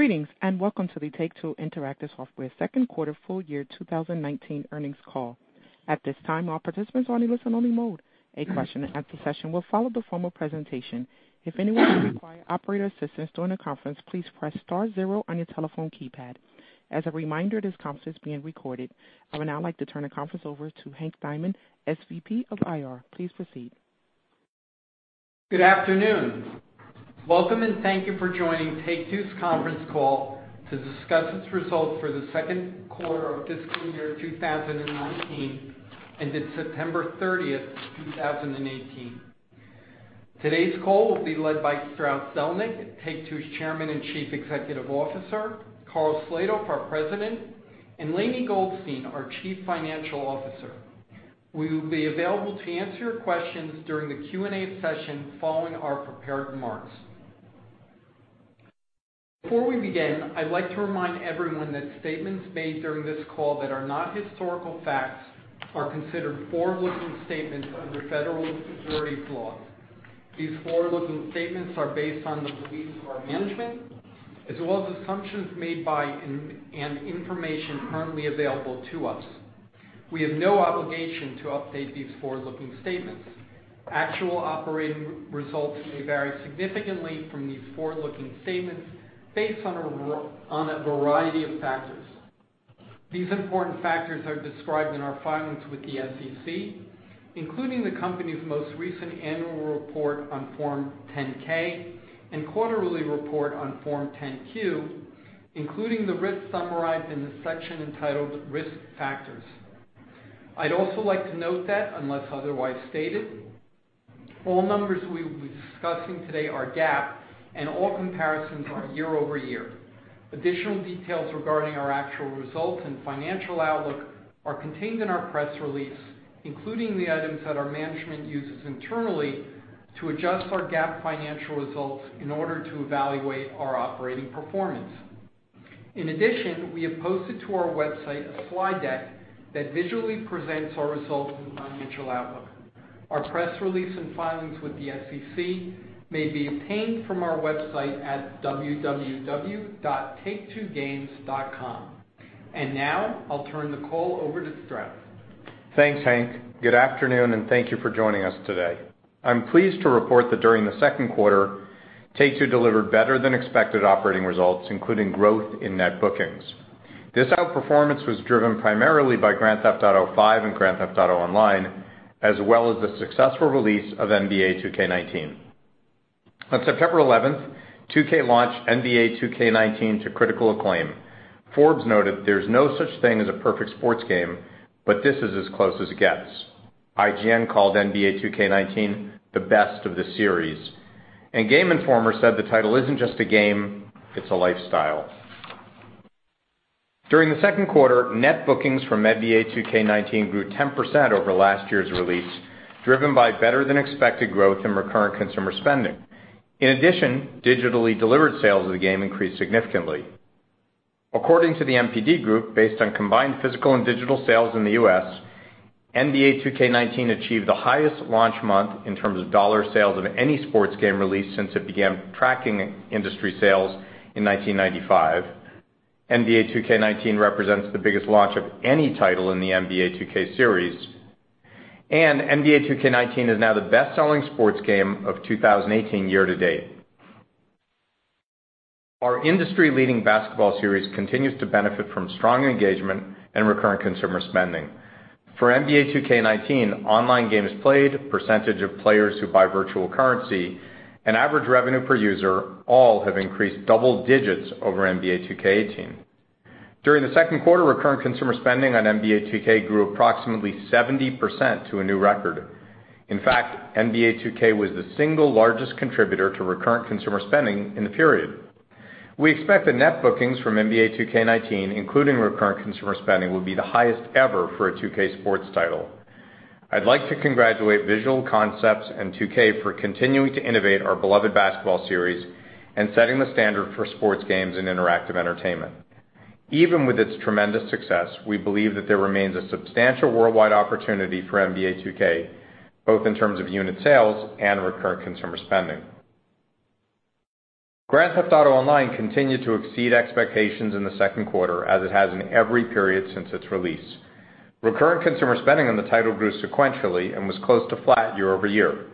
Greetings, welcome to the Take-Two Interactive Software second quarter full year 2019 earnings call. At this time, all participants are in listen-only mode. A question and answer session will follow the formal presentation. If anyone requires operator assistance during the conference, please press star zero on your telephone keypad. As a reminder, this conference is being recorded. I would now like to turn the conference over to Hank Diamond, SVP of IR. Please proceed. Good afternoon. Welcome, thank you for joining Take-Two's conference call to discuss its results for the second quarter of fiscal year 2019 ended September 30th, 2018. Today's call will be led by Strauss Zelnick, Take-Two's Chairman and Chief Executive Officer, Karl Slatoff, our President, and Lainie Goldstein, our Chief Financial Officer. We will be available to answer your questions during the Q&A session following our prepared remarks. Before we begin, I'd like to remind everyone that statements made during this call that are not historical facts are considered forward-looking statements under federal securities laws. These forward-looking statements are based on the beliefs of our management, as well as assumptions made by and information currently available to us. We have no obligation to update these forward-looking statements. Actual operating results may vary significantly from these forward-looking statements based on a variety of factors. These important factors are described in our filings with the SEC, including the company's most recent annual report on Form 10-K and quarterly report on Form 10-Q, including the risks summarized in the section entitled Risk Factors. I'd also like to note that, unless otherwise stated, all numbers we will be discussing today are GAAP, and all comparisons are year-over-year. Additional details regarding our actual results and financial outlook are contained in our press release, including the items that our management uses internally to adjust our GAAP financial results in order to evaluate our operating performance. In addition, we have posted to our website a slide deck that visually presents our results and financial outlook. Our press release and filings with the SEC may be obtained from our website at www.take2games.com. Now, I'll turn the call over to Strauss. Thanks, Hank. Good afternoon, thank you for joining us today. I'm pleased to report that during the second quarter, Take-Two delivered better-than-expected operating results, including growth in net bookings. This outperformance was driven primarily by Grand Theft Auto V and Grand Theft Auto Online, as well as the successful release of NBA 2K19. On September 11th, 2K launched NBA 2K19 to critical acclaim. Forbes noted there's no such thing as a perfect sports game, but this is as close as it gets. IGN called NBA 2K19 the best of the series. Game Informer said the title isn't just a game, it's a lifestyle. During the second quarter, net bookings from NBA 2K19 grew 10% over last year's release, driven by better-than-expected growth in recurrent consumer spending. In addition, digitally delivered sales of the game increased significantly. According to the NPD Group, based on combined physical and digital sales in the U.S., NBA 2K19 achieved the highest launch month in terms of dollar sales of any sports game released since it began tracking industry sales in 1995. NBA 2K19 represents the biggest launch of any title in the NBA 2K series. NBA 2K19 is now the best-selling sports game of 2018 year-to-date. Our industry-leading basketball series continues to benefit from strong engagement and recurrent consumer spending. For NBA 2K19, online games played, percentage of players who buy virtual currency, and average revenue per user all have increased double digits over NBA 2K18. During the second quarter, recurrent consumer spending on NBA 2K grew approximately 70% to a new record. In fact, NBA 2K was the single largest contributor to recurrent consumer spending in the period. We expect the net bookings from NBA 2K19, including recurrent consumer spending, will be the highest ever for a 2K sports title. I'd like to congratulate Visual Concepts and 2K for continuing to innovate our beloved basketball series and setting the standard for sports games and interactive entertainment. Even with its tremendous success, we believe that there remains a substantial worldwide opportunity for NBA 2K, both in terms of unit sales and recurrent consumer spending. Grand Theft Auto Online continued to exceed expectations in the second quarter, as it has in every period since its release. Recurrent consumer spending on the title grew sequentially and was close to flat year-over-year.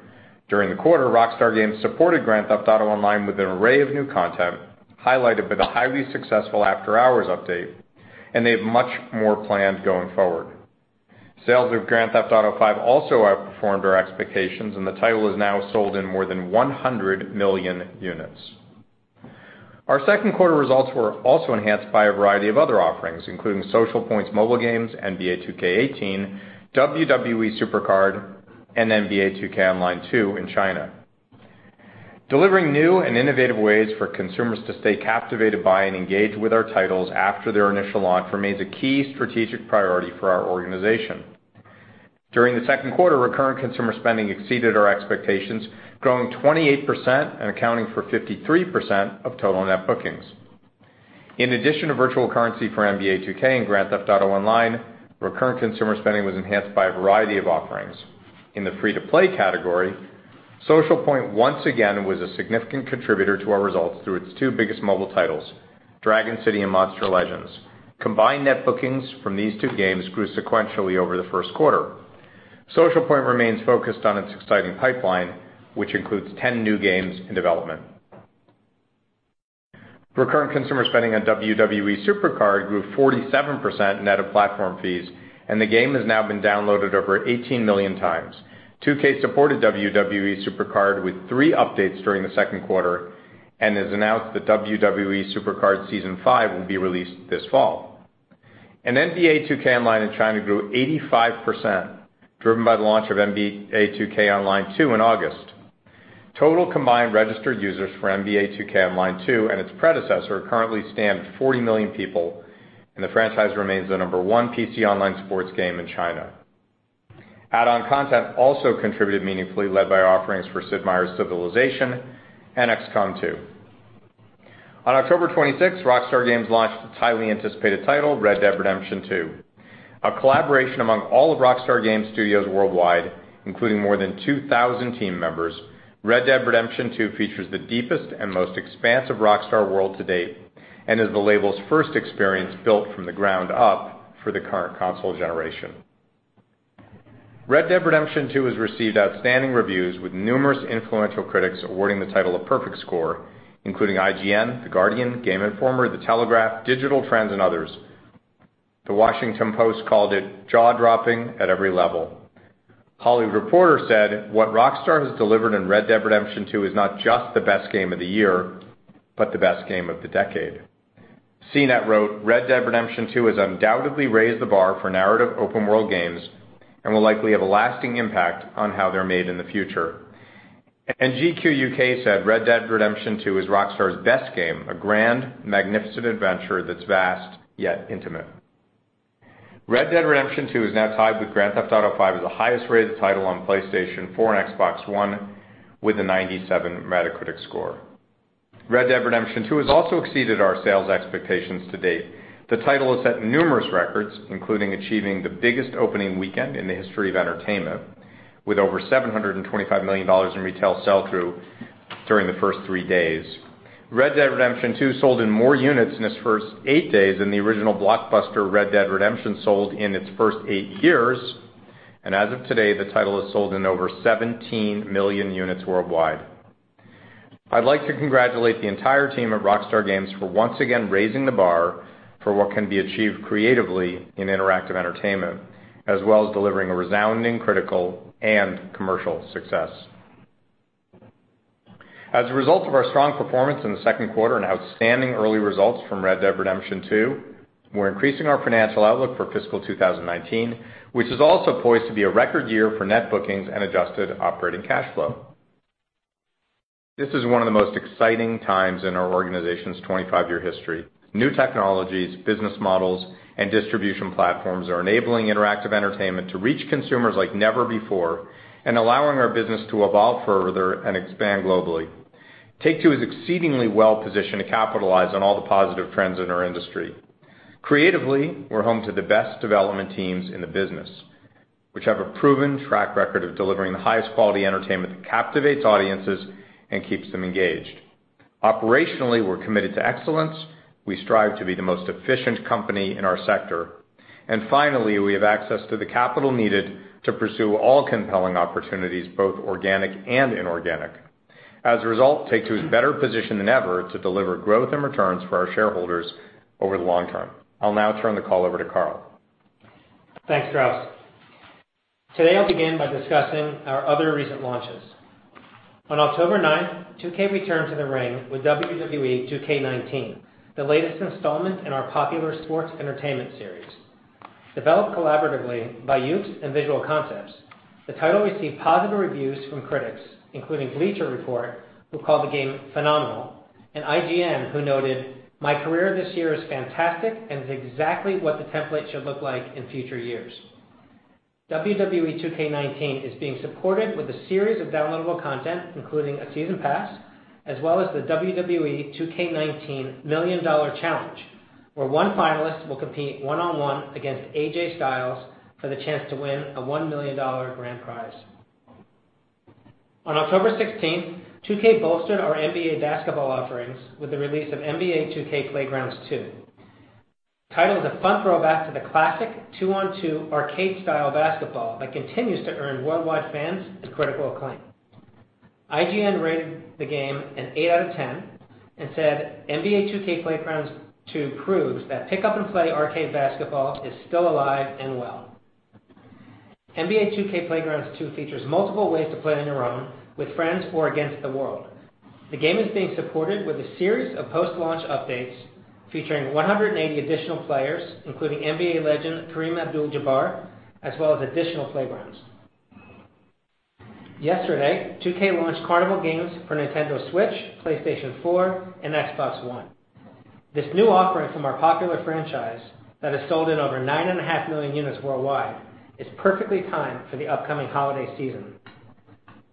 During the quarter, Rockstar Games supported Grand Theft Auto Online with an array of new content, highlighted by the highly successful After Hours update, and they have much more planned going forward. Sales of Grand Theft Auto V also outperformed our expectations, and the title has now sold in more than 100 million units. Our second quarter results were also enhanced by a variety of other offerings, including Social Point's mobile games, NBA 2K18, WWE SuperCard, and NBA 2K Online 2 in China. Delivering new and innovative ways for consumers to stay captivated by and engaged with our titles after their initial launch remains a key strategic priority for our organization. During the second quarter, recurrent consumer spending exceeded our expectations, growing 28% and accounting for 53% of total net bookings. In addition to virtual currency for NBA 2K and Grand Theft Auto Online, recurrent consumer spending was enhanced by a variety of offerings. In the free-to-play category, Social Point once again was a significant contributor to our results through its two biggest mobile titles, Dragon City and Monster Legends. Combined net bookings from these two games grew sequentially over the first quarter. Social Point remains focused on its exciting pipeline, which includes 10 new games in development. Recurrent consumer spending on WWE SuperCard grew 47% net of platform fees, and the game has now been downloaded over 18 million times. 2K supported WWE SuperCard with three updates during the second quarter and has announced that WWE SuperCard Season 5 will be released this fall. NBA 2K Online in China grew 85%, driven by the launch of NBA 2K Online 2 in August. Total combined registered users for NBA 2K Online 2 and its predecessor currently stand at 40 million people, and the franchise remains the number one PC online sports game in China. Add-on content also contributed meaningfully, led by offerings for Sid Meier's Civilization and XCOM 2. On October 26th, Rockstar Games launched its highly anticipated title, Red Dead Redemption 2. A collaboration among all of Rockstar Games studios worldwide, including more than 2,000 team members, Red Dead Redemption 2 features the deepest and most expansive Rockstar world to date and is the label's first experience built from the ground up for the current console generation. Red Dead Redemption 2 has received outstanding reviews, with numerous influential critics awarding the title a perfect score, including IGN, The Guardian, Game Informer, The Telegraph, Digital Trends, and others. The Washington Post called it "Jaw-dropping at every level." The Hollywood Reporter said, "What Rockstar has delivered in Red Dead Redemption 2 is not just the best game of the year, but the best game of the decade." CNET wrote, "Red Dead Redemption 2 has undoubtedly raised the bar for narrative open-world games and will likely have a lasting impact on how they're made in the future." GQ UK said, "Red Dead Redemption 2 is Rockstar's best game, a grand, magnificent adventure that's vast, yet intimate." Red Dead Redemption 2 is now tied with Grand Theft Auto V as the highest-rated title on PlayStation 4 and Xbox One with a 97 Metacritic score. Red Dead Redemption 2 has also exceeded our sales expectations to date. The title has set numerous records, including achieving the biggest opening weekend in the history of entertainment, with over $725 million in retail sell-through during the first three days. Red Dead Redemption 2 sold in more units in its first eight days than the original blockbuster Red Dead Redemption sold in its first eight years, and as of today, the title has sold in over 17 million units worldwide. I'd like to congratulate the entire team at Rockstar Games for once again raising the bar for what can be achieved creatively in interactive entertainment, as well as delivering a resounding critical and commercial success. As a result of our strong performance in the second quarter and outstanding early results from Red Dead Redemption 2, we're increasing our financial outlook for fiscal 2019, which is also poised to be a record year for net bookings and adjusted operating cash flow. This is one of the most exciting times in our organization's 25-year history. New technologies, business models, and distribution platforms are enabling interactive entertainment to reach consumers like never before and allowing our business to evolve further and expand globally. Take-Two is exceedingly well-positioned to capitalize on all the positive trends in our industry. Creatively, we're home to the best development teams in the business, which have a proven track record of delivering the highest quality entertainment that captivates audiences and keeps them engaged. Operationally, we're committed to excellence. We strive to be the most efficient company in our sector. Finally, we have access to the capital needed to pursue all compelling opportunities, both organic and inorganic. As a result, Take-Two is better positioned than ever to deliver growth and returns for our shareholders over the long term. I'll now turn the call over to Karl. Thanks, Strauss. Today, I'll begin by discussing our other recent launches. On October 9th, 2K returned to the ring with WWE 2K19, the latest installment in our popular sports entertainment series. Developed collaboratively by Yuke's and Visual Concepts, the title received positive reviews from critics, including Bleacher Report, who called the game phenomenal, and IGN, who noted, "My Career this year is fantastic and is exactly what the template should look like in future years." WWE 2K19 is being supported with a series of downloadable content, including a season pass, as well as the WWE 2K19 Million Dollar Challenge, where one finalist will compete one-on-one against AJ Styles for the chance to win a $1 million grand prize. On October 16th, 2K bolstered our NBA basketball offerings with the release of NBA 2K Playgrounds 2. Titled a fun throwback to the classic two-on-two arcade-style basketball that continues to earn worldwide fans and critical acclaim. IGN rated the game an 8 out of 10 and said, "NBA 2K Playgrounds 2 proves that pick-up and play arcade basketball is still alive and well." NBA 2K Playgrounds 2 features multiple ways to play on your own, with friends, or against the world. The game is being supported with a series of post-launch updates featuring 180 additional players, including NBA legend Kareem Abdul-Jabbar, as well as additional playgrounds. Yesterday, 2K launched Carnival Games for Nintendo Switch, PlayStation 4, and Xbox One. This new offering from our popular franchise that has sold in over nine and a half million units worldwide is perfectly timed for the upcoming holiday season.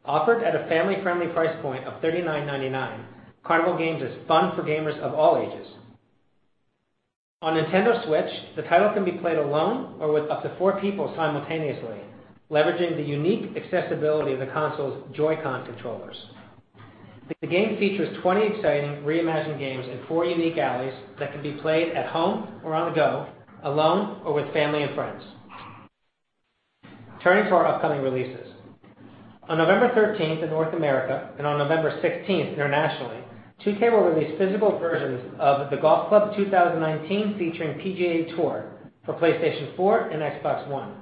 Offered at a family-friendly price point of $39.99, Carnival Games is fun for gamers of all ages. On Nintendo Switch, the title can be played alone or with up to four people simultaneously, leveraging the unique accessibility of the console's Joy-Con controllers. The game features 20 exciting reimagined games and four unique alleys that can be played at home or on the go, alone or with family and friends. Turning to our upcoming releases. On November 13th in North America, and on November 16th internationally, 2K will release physical versions of The Golf Club 2019 featuring PGA TOUR for PlayStation 4 and Xbox One.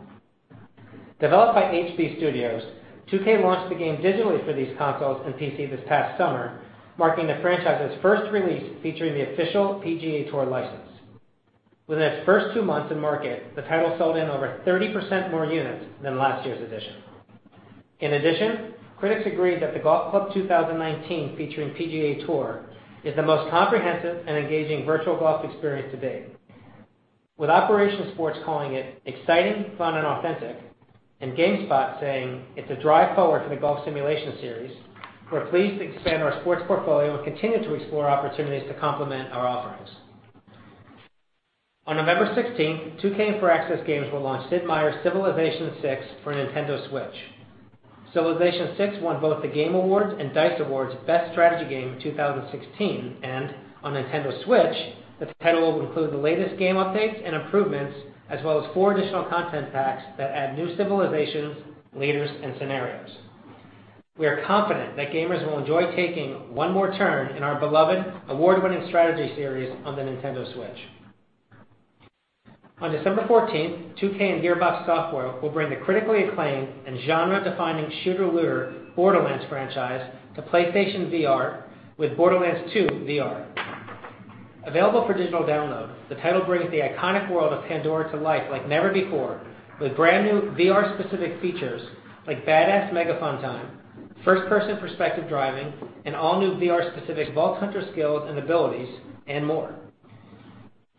Developed by HB Studios, 2K launched the game digitally for these consoles and PC this past summer, marking the franchise's first release featuring the official PGA TOUR license. Within its first two months in market, the title sold in over 30% more units than last year's edition. In addition, critics agreed that The Golf Club 2019 featuring PGA TOUR is the most comprehensive and engaging virtual golf experience to date. With Operation Sports calling it, "Exciting, fun, and authentic," and GameSpot saying, "It's a drive forward for the golf simulation series," we're pleased to expand our sports portfolio and continue to explore opportunities to complement our offerings. On November 16th, 2K and Firaxis Games will launch Sid Meier's Civilization VI for Nintendo Switch. Civilization VI won both The Game Awards and D.I.C.E. Awards Best Strategy Game in 2016, and on Nintendo Switch, the title will include the latest game updates and improvements, as well as four additional content packs that add new civilizations, leaders, and scenarios. We are confident that gamers will enjoy taking one more turn in our beloved award-winning strategy series on the Nintendo Switch. On December 14th, 2K and Gearbox Software will bring the critically acclaimed and genre-defining shooter looter Borderlands franchise to PlayStation VR with Borderlands 2 VR. Available for digital download, the title brings the iconic world of Pandora to life like never before with brand-new VR-specific features like Badass Mega Fun Time, first-person perspective driving, and all-new VR-specific Vault Hunter skills and abilities, and more.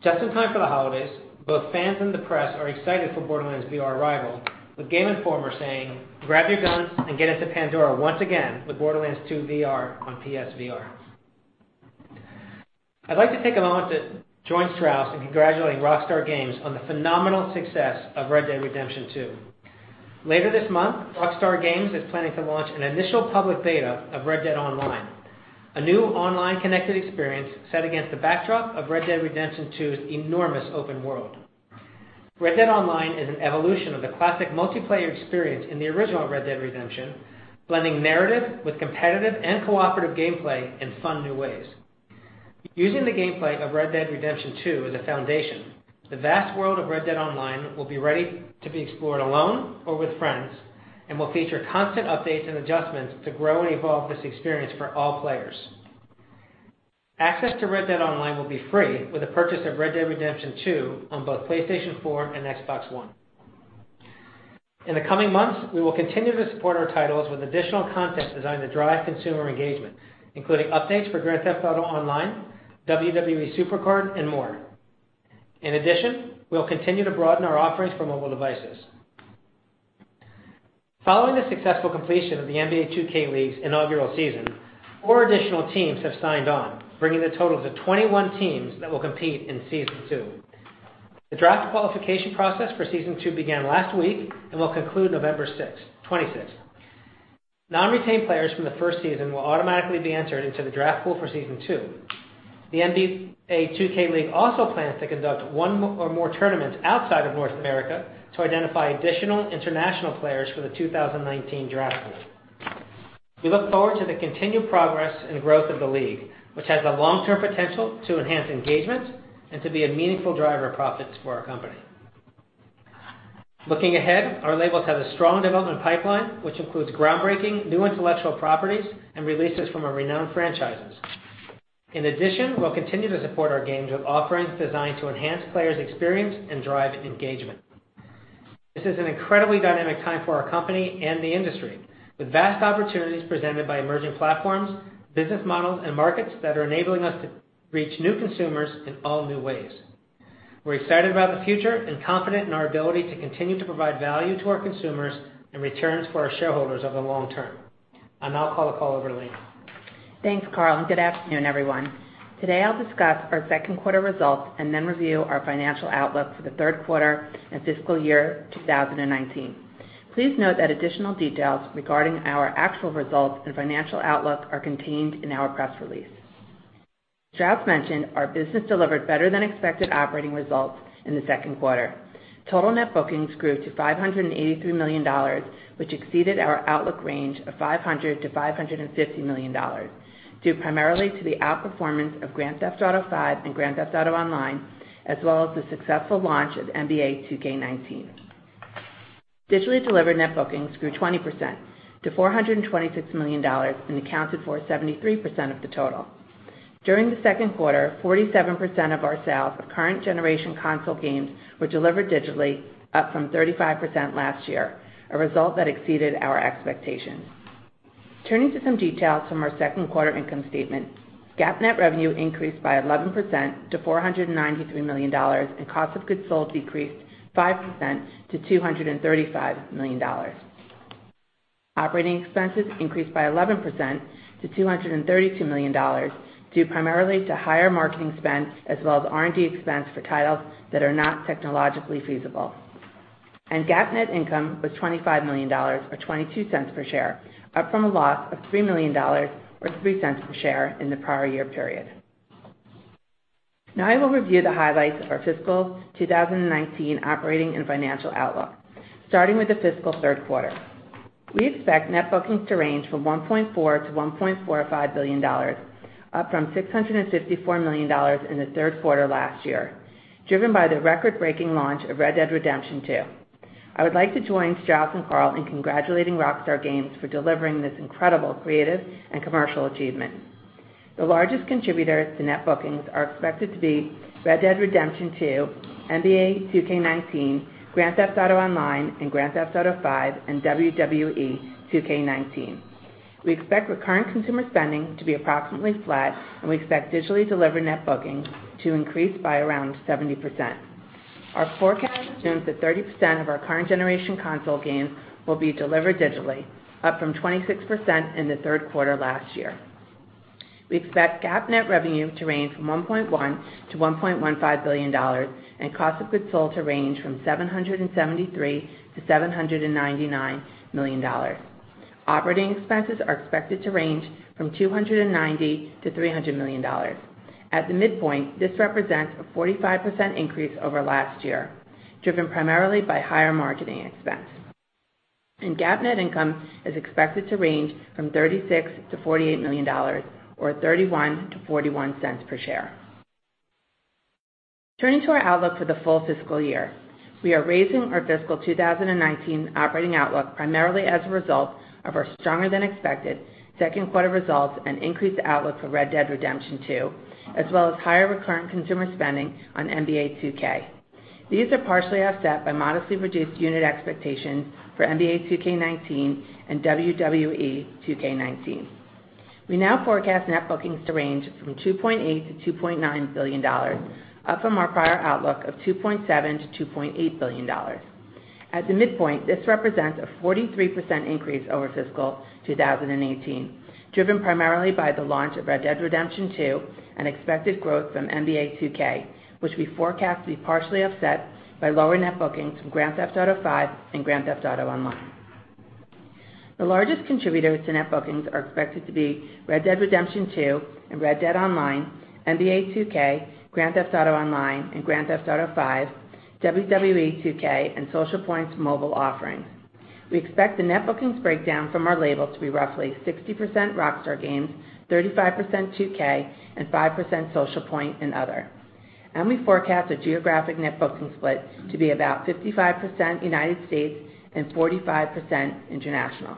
Just in time for the holidays, both fans and the press are excited for Borderlands VR arrival, with Game Informer saying, "Grab your guns and get into Pandora once again with Borderlands 2 VR on PS VR." I'd like to take a moment to join Strauss in congratulating Rockstar Games on the phenomenal success of Red Dead Redemption 2. Later this month, Rockstar Games is planning to launch an initial public beta of Red Dead Online, a new online connected experience set against the backdrop of Red Dead Redemption 2's enormous open world. Red Dead Online is an evolution of the classic multiplayer experience in the original Red Dead Redemption, blending narrative with competitive and cooperative gameplay in fun new ways. Using the gameplay of Red Dead Redemption 2 as a foundation, the vast world of Red Dead Online will be ready to be explored alone or with friends, and will feature constant updates and adjustments to grow and evolve this experience for all players. Access to Red Dead Online will be free with the purchase of Red Dead Redemption 2 on both PlayStation 4 and Xbox One. In the coming months, we will continue to support our titles with additional content designed to drive consumer engagement, including updates for Grand Theft Auto Online, WWE SuperCard, and more. We'll continue to broaden our offerings for mobile devices. Following the successful completion of the NBA 2K League's inaugural season, four additional teams have signed on, bringing the total to 21 teams that will compete in Season 2. The draft qualification process for Season 2 began last week, will conclude November 26th. Non-retained players from the first season will automatically be entered into the draft pool for Season 2. The NBA 2K League also plans to conduct one or more tournaments outside of North America to identify additional international players for the 2019 draft pool. We look forward to the continued progress and growth of the league, which has the long-term potential to enhance engagement and to be a meaningful driver of profits for our company. Looking ahead, our labels have a strong development pipeline, which includes groundbreaking new intellectual properties and releases from our renowned franchises. We'll continue to support our games with offerings designed to enhance players' experience and drive engagement. This is an incredibly dynamic time for our company and the industry, with vast opportunities presented by emerging platforms, business models, and markets that are enabling us to reach new consumers in all new ways. We're excited about the future and confident in our ability to continue to provide value to our consumers and returns for our shareholders over the long term. I'll now call upon Lainie. Thanks, Karl, and good afternoon, everyone. Today, I'll discuss our second quarter results and review our financial outlook for the third quarter and fiscal year 2019. Please note that additional details regarding our actual results and financial outlook are contained in our press release. Strauss mentioned our business delivered better than expected operating results in the second quarter. Total net bookings grew to $583 million, which exceeded our outlook range of $500 million-$550 million, due primarily to the outperformance of Grand Theft Auto V and Grand Theft Auto Online, as well as the successful launch of NBA 2K19. Digitally delivered net bookings grew 20% to $426 million and accounted for 73% of the total. During the second quarter, 47% of our sales of current generation console games were delivered digitally, up from 35% last year, a result that exceeded our expectations. Turning to some details from our second quarter income statement. GAAP net revenue increased by 11% to $493 million, and cost of goods sold decreased 5% to $235 million. Operating expenses increased by 11% to $232 million, due primarily to higher marketing spend as well as R&D expense for titles that are not technologically feasible. GAAP net income was $25 million, or $0.22 per share, up from a loss of $3 million or $0.03 per share in the prior year period. I will review the highlights of our fiscal 2019 operating and financial outlook, starting with the fiscal third quarter. We expect net bookings to range from $1.4 billion-$1.45 billion, up from $654 million in the third quarter last year, driven by the record-breaking launch of Red Dead Redemption 2. I would like to join Strauss and Karl in congratulating Rockstar Games for delivering this incredible creative and commercial achievement. The largest contributor to net bookings are expected to be Red Dead Redemption 2, NBA 2K19, Grand Theft Auto Online, Grand Theft Auto V, and WWE 2K19. We expect recurrent consumer spending to be approximately flat. We expect digitally delivered net bookings to increase by around 70%. Our forecast assumes that 30% of our current generation console games will be delivered digitally, up from 26% in the third quarter last year. We expect GAAP net revenue to range from $1.1 billion-$1.15 billion and cost of goods sold to range from $773 million-$799 million. Operating expenses are expected to range from $290 million-$300 million. At the midpoint, this represents a 45% increase over last year, driven primarily by higher marketing expense. GAAP net income is expected to range from $36 million-$48 million or $0.31-$0.41 per share. Turning to our outlook for the full fiscal year. We are raising our fiscal 2019 operating outlook primarily as a result of our stronger than expected second quarter results and increased outlook for Red Dead Redemption 2, as well as higher recurrent consumer spending on NBA 2K. These are partially offset by modestly reduced unit expectations for NBA 2K19 and WWE 2K19. We now forecast net bookings to range from $2.8 billion-$2.9 billion, up from our prior outlook of $2.7 billion-$2.8 billion. At the midpoint, this represents a 43% increase over fiscal 2018, driven primarily by the launch of Red Dead Redemption 2 and expected growth from NBA 2K, which we forecast to be partially offset by lower net bookings from Grand Theft Auto V and Grand Theft Auto Online. The largest contributors to net bookings are expected to be Red Dead Redemption 2 and Red Dead Online, NBA 2K, Grand Theft Auto Online, and Grand Theft Auto V, WWE 2K, and Social Point's mobile offerings. We expect the net bookings breakdown from our label to be roughly 60% Rockstar Games, 35% 2K, and 5% Social Point and other. We forecast the geographic net booking split to be about 55% U.S. and 45% international.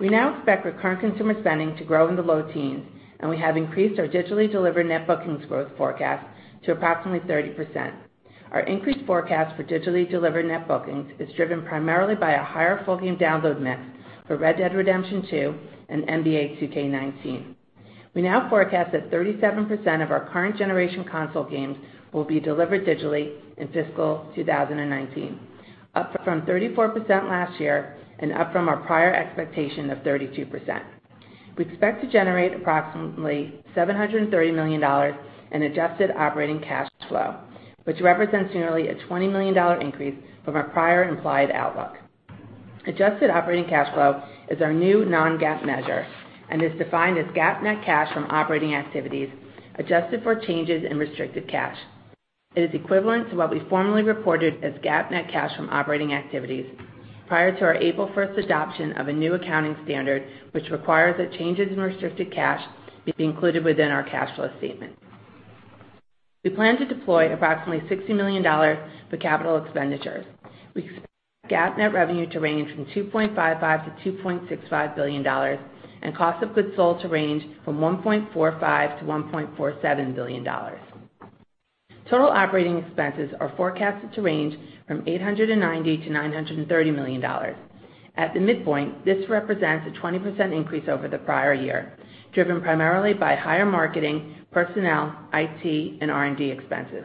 We now expect recurrent consumer spending to grow in the low teens. We have increased our digitally delivered net bookings growth forecast to approximately 30%. Our increased forecast for digitally delivered net bookings is driven primarily by a higher full game download mix for Red Dead Redemption 2 and NBA 2K19. We now forecast that 37% of our current generation console games will be delivered digitally in fiscal 2019, up from 34% last year and up from our prior expectation of 32%. We expect to generate approximately $730 million in adjusted operating cash flow, which represents nearly a $20 million increase from our prior implied outlook. Adjusted operating cash flow is our new non-GAAP measure and is defined as GAAP net cash from operating activities, adjusted for changes in restricted cash. It is equivalent to what we formerly reported as GAAP net cash from operating activities prior to our April 1st adoption of a new accounting standard, which requires that changes in restricted cash be included within our cash flow statement. We plan to deploy approximately $60 million for capital expenditures. We expect GAAP net revenue to range from $2.55 billion-$2.65 billion and cost of goods sold to range from $1.45 billion-$1.47 billion. Total operating expenses are forecasted to range from $890 million-$930 million. At the midpoint, this represents a 20% increase over the prior year, driven primarily by higher marketing, personnel, IT, and R&D expenses.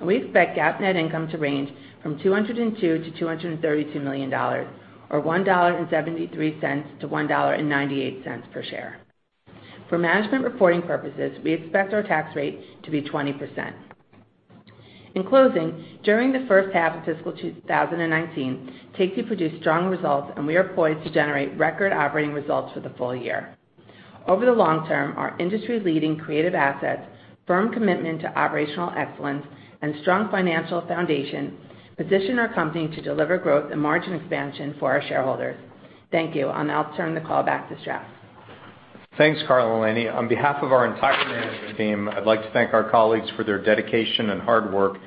We expect GAAP net income to range from $202 million-$232 million, or $1.73-$1.98 per share. For management reporting purposes, we expect our tax rate to be 20%. In closing, during the first half of fiscal 2019, Take-Two produced strong results. We are poised to generate record operating results for the full year. Over the long term, our industry leading creative assets, firm commitment to operational excellence, and strong financial foundation position our company to deliver growth and margin expansion for our shareholders. Thank you. I'll now turn the call back to Strauss. Thanks, Karl and Lainie. On behalf of our entire management team, I'd like to thank our colleagues for their dedication and hard work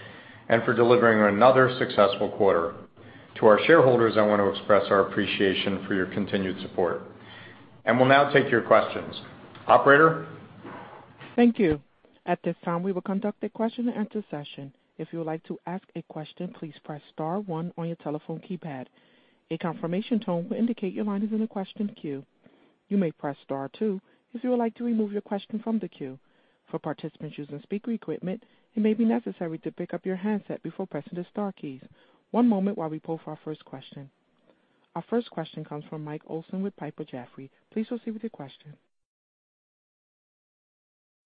and for delivering another successful quarter. To our shareholders, I want to express our appreciation for your continued support. We'll now take your questions. Operator? Thank you. At this time, we will conduct a question and answer session. If you would like to ask a question, please press star one on your telephone keypad. A confirmation tone will indicate your line is in the question queue. You may press star two if you would like to remove your question from the queue. For participants using speaker equipment, it may be necessary to pick up your handset before pressing the star keys. One moment while we poll for our first question. Our first question comes from Michael Olson with Piper Jaffray. Please proceed with your question.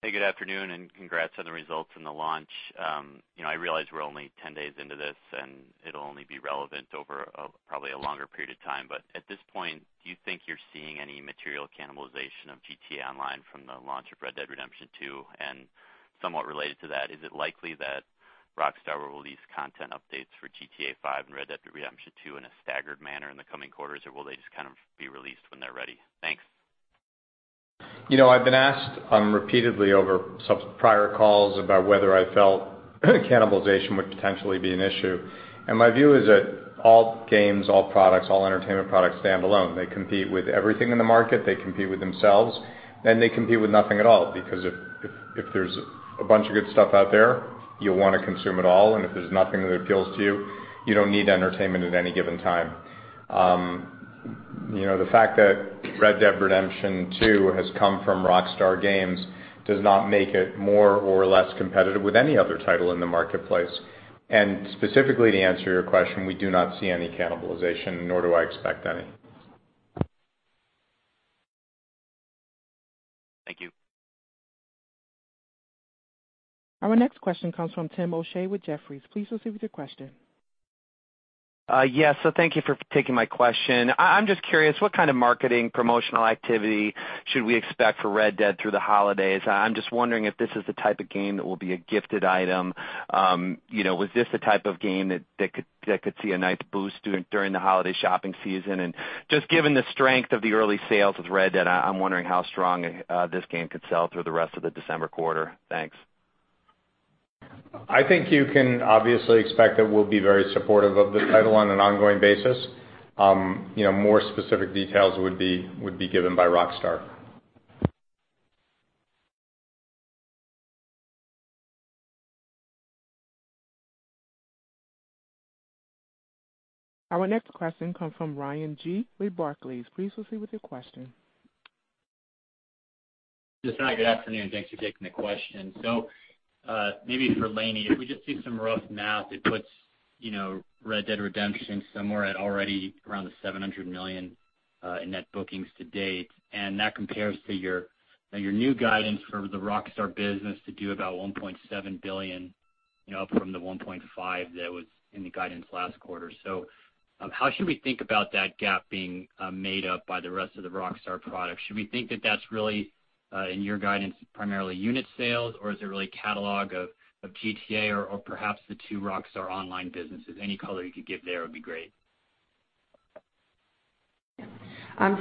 Hey, good afternoon, congrats on the results and the launch. I realize we're only 10 days into this, and it'll only be relevant over probably a longer period of time. At this point, do you think you're seeing any material cannibalization of GTA Online from the launch of Red Dead Redemption 2? Somewhat related to that, is it likely that Rockstar will release content updates for GTA V and Red Dead Redemption 2 in a staggered manner in the coming quarters, or will they just kind of be released when they're ready? Thanks. I've been asked repeatedly over some prior calls about whether I felt cannibalization would potentially be an issue, and my view is that all games, all products, all entertainment products stand alone. They compete with everything in the market, they compete with themselves, and they compete with nothing at all. Because if there's a bunch of good stuff out there, you'll want to consume it all, and if there's nothing that appeals to you don't need entertainment at any given time. The fact that Red Dead Redemption 2 has come from Rockstar Games does not make it more or less competitive with any other title in the marketplace. Specifically to answer your question, we do not see any cannibalization, nor do I expect any. Thank you. Our next question comes from Timothy O'Shea with Jefferies. Please proceed with your question. Yes. Thank you for taking my question. I'm just curious, what kind of marketing promotional activity should we expect for Red Dead through the holidays? I'm just wondering if this is the type of game that will be a gifted item. Was this the type of game that could see a nice boost during the holiday shopping season? Just given the strength of the early sales with Red Dead, I'm wondering how strong this game could sell through the rest of the December quarter. Thanks. I think you can obviously expect that we'll be very supportive of the title on an ongoing basis. More specific details would be given by Rockstar. Our next question comes from Ryan Gee with Barclays. Please proceed with your question. Yes. Hi, good afternoon, thanks for taking the question. Maybe for Lainie. If we just do some rough math, it puts "Red Dead Redemption" somewhere at already around the $700 million in net bookings to date, and that compares to your new guidance for the Rockstar business to do about $1.7 billion, up from the $1.5 that was in the guidance last quarter. How should we think about that gap being made up by the rest of the Rockstar products? Should we think that that's really, in your guidance, primarily unit sales, or is it really catalog of GTA or perhaps the two Rockstar Online businesses? Any color you could give there would be great.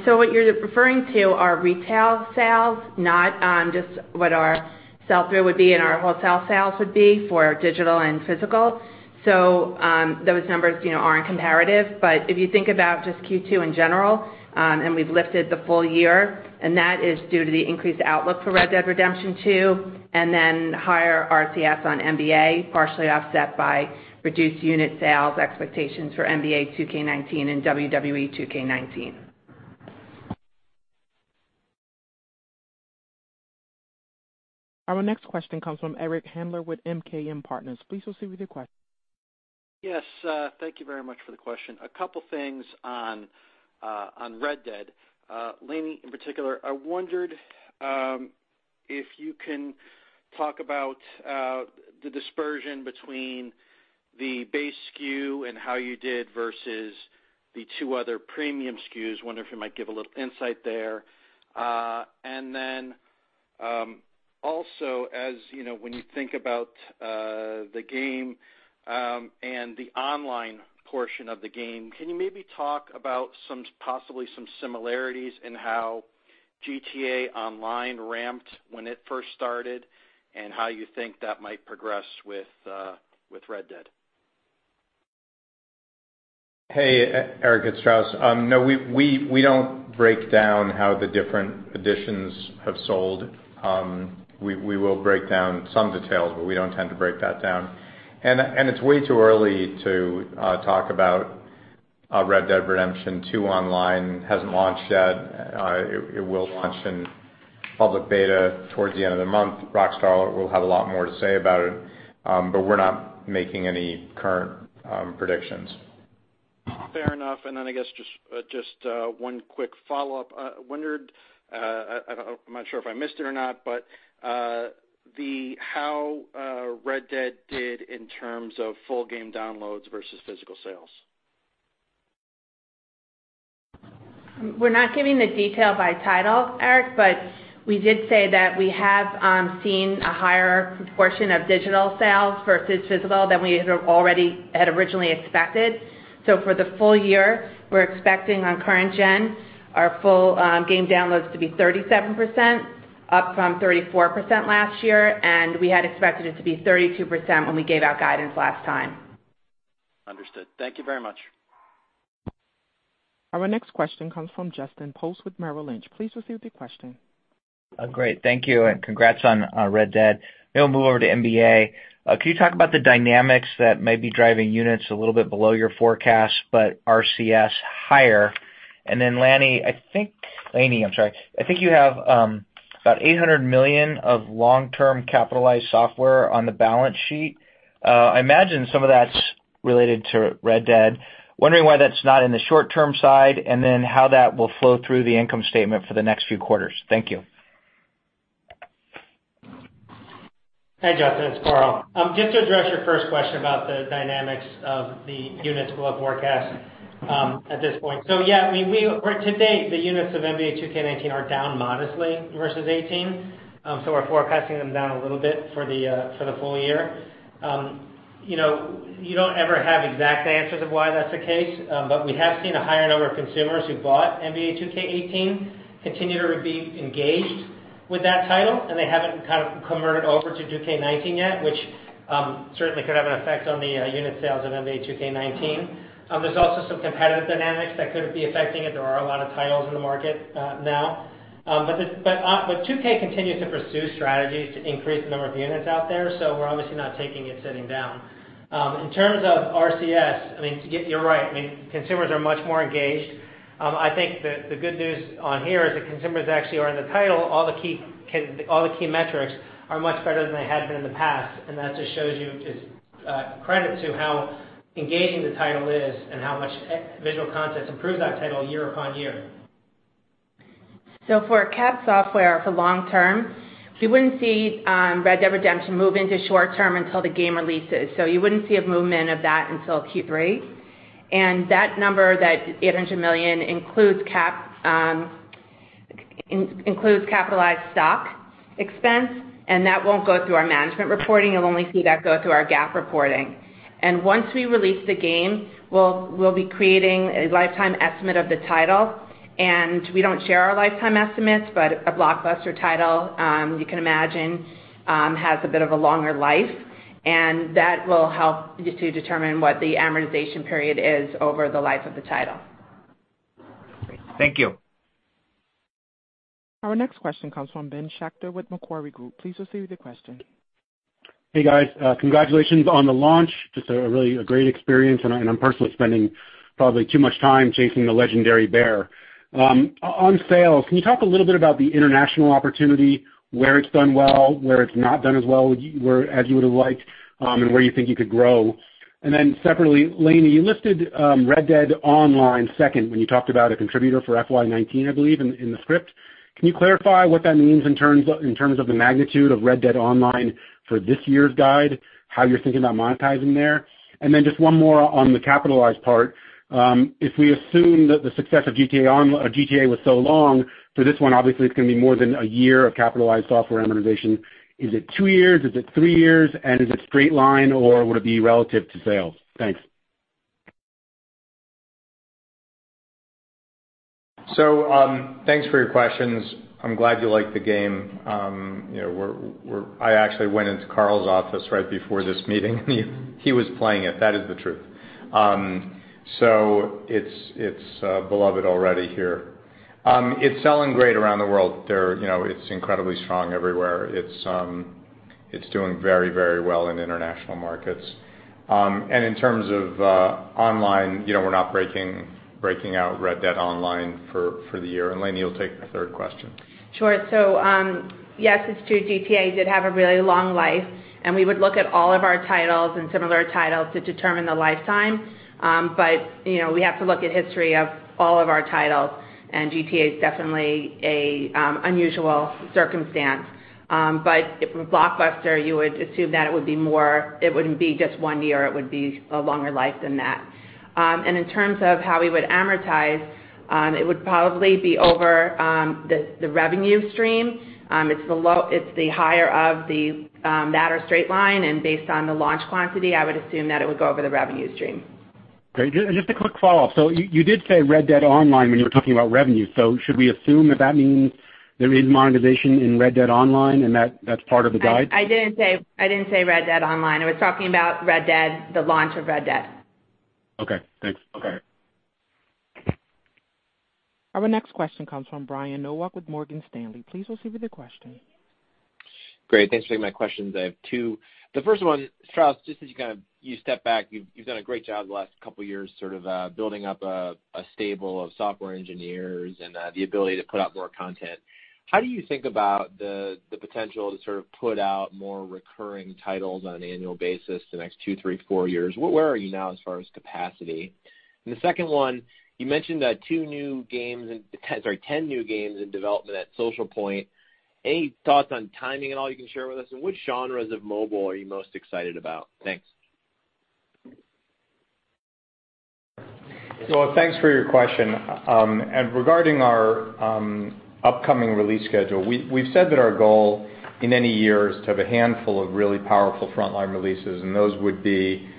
What you're referring to are retail sales, not just what our sell-through would be and our wholesale sales would be for digital and physical. Those numbers aren't comparative. If you think about just Q2 in general, and we've lifted the full year, and that is due to the increased outlook for "Red Dead Redemption 2," and then higher RCS on NBA, partially offset by reduced unit sales expectations for "NBA 2K19" and "WWE 2K19. Our next question comes from Eric Handler with MKM Partners. Please proceed with your question. Yes. Thank you very much for the question. A couple things on Red Dead. Lainie, in particular, I wondered if you can talk about the dispersion between the base SKU and how you did versus the two other premium SKUs. Wonder if you might give a little insight there? Also, when you think about the game and the online portion of the game, can you maybe talk about possibly some similarities in how GTA Online ramped when it first started and how you think that might progress with Red Dead? Hey, Eric. It's Strauss. No, we don't break down how the different editions have sold. We will break down some details, but we don't tend to break that down. It's way too early to talk about Red Dead Redemption 2 Online. It hasn't launched yet. It will launch in public beta towards the end of the month. Rockstar will have a lot more to say about it. We're not making any current predictions. Fair enough. I guess just one quick follow-up. I wondered, I'm not sure if I missed it or not, how Red Dead did in terms of full game downloads versus physical sales. We're not giving the detail by title, Eric, but we did say that we have seen a higher proportion of digital sales versus physical than we had originally expected. For the full year, we're expecting on current gen our full game downloads to be 37%, up from 34% last year, and we had expected it to be 32% when we gave our guidance last time. Understood. Thank you very much. Our next question comes from Justin Post with Merrill Lynch. Please proceed with your question. Great. Thank you, and congrats on Red Dead. We'll move over to NBA. Can you talk about the dynamics that may be driving units a little bit below your forecast, but RCS higher? Lainie, I think you have about $800 million of long-term capitalized software on the balance sheet. I imagine some of that's related to Red Dead. Wondering why that's not in the short-term side, and then how that will flow through the income statement for the next few quarters. Thank you. Hi, Justin. It's Karl. To address your first question about the dynamics of the units below forecast at this point. Yeah, to date, the units of NBA 2K19 are down modestly versus 2018, we're forecasting them down a little bit for the full year. You don't ever have exact answers of why that's the case, we have seen a higher number of consumers who bought NBA 2K18 continue to be engaged with that title, and they haven't converted over to 2K19 yet, which certainly could have an effect on the unit sales of NBA 2K19. There's also some competitive dynamics that could be affecting it. There are a lot of titles in the market now. 2K continues to pursue strategies to increase the number of units out there, we're obviously not taking it sitting down. In terms of RCS, you're right. Consumers are much more engaged. I think that the good news on here is that consumers actually are in the title. All the key metrics are much better than they had been in the past, that just shows you credit to how engaging the title is and how much visual content improves that title year upon year. For CapEx software for long term, you wouldn't see Red Dead Redemption move into short term until the game releases. You wouldn't see a movement of that until Q3. That number, that $800 million, includes capitalized stock expense, that won't go through our management reporting. You'll only see that go through our GAAP reporting. Once we release the game, we'll be creating a lifetime estimate of the title. We don't share our lifetime estimates, a blockbuster title, you can imagine, has a bit of a longer life, that will help to determine what the amortization period is over the life of the title. Great. Thank you. Our next question comes from Ben Schachter with Macquarie Group. Please proceed with your question. Hey, guys. Congratulations on the launch. Just a really great experience, and I'm personally spending probably too much time chasing the legendary bear. On sales, can you talk a little bit about the international opportunity, where it's done well, where it's not done as well as you would've liked, and where you think you could grow? Separately, Lainie, you listed Red Dead Online second when you talked about a contributor for FY 2019, I believe, in the script. Can you clarify what that means in terms of the magnitude of Red Dead Online for this year's guide, how you're thinking about monetizing there? Just one more on the capitalized part. If we assume that the success of GTA was so long, for this one, obviously, it's going to be more than a year of capitalized software amortization. Is it two years? Is it three years? Is it straight line, or would it be relative to sales? Thanks. Thanks for your questions. I'm glad you like the game. I actually went into Karl's office right before this meeting, and he was playing it. That is the truth. It's beloved already here. It's selling great around the world. It's incredibly strong everywhere. It's doing very well in international markets. In terms of online, we're not breaking out Red Dead Online for the year. Lainie will take the third question. Sure. Yes, it's true, GTA did have a really long life, and we would look at all of our titles and similar titles to determine the lifetime. We have to look at history of all of our titles, and GTA is definitely a unusual circumstance. If we blockbuster, you would assume that it wouldn't be just one year, it would be a longer life than that. In terms of how we would amortize, it would probably be over the revenue stream. It's the higher of the matter straight line, and based on the launch quantity, I would assume that it would go over the revenue stream. Great. Just a quick follow-up. You did say Red Dead Online when you were talking about revenue. Should we assume that that means there is monetization in Red Dead Online and that's part of the guide? I didn't say Red Dead Online. I was talking about the launch of Red Dead. Okay. Thanks. Okay. Our next question comes from Brian Nowak with Morgan Stanley. Please proceed with your question. Great. Thanks for taking my questions. I have two. The first one, Strauss, just as you step back, you've done a great job the last couple of years sort of building up a stable of software engineers and the ability to put out more content. How do you think about the potential to sort of put out more recurring titles on an annual basis the next two, three, four years? Where are you now as far as capacity? The second one, you mentioned 10 new games in development at Social Point. Any thoughts on timing at all you can share with us? Which genres of mobile are you most excited about? Thanks. Thanks for your question. Regarding our upcoming release schedule, we've said that our goal in any year is to have a handful of really powerful frontline releases, and those would be